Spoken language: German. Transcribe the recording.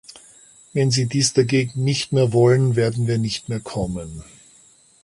Wenn Sie dies dagegen nicht mehr wollen, werden wir nicht mehr kommen.